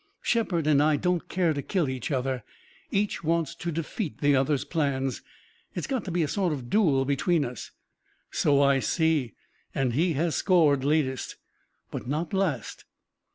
"Shepard and I don't care to kill each other. Each wants to defeat the other's plans. It's got to be a sort of duel between us." "So I see, and he has scored latest." "But not last."